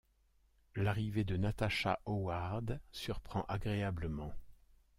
L'arrivée de Natasha Howard surprend agréablement.